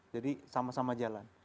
jadi sama sama jalan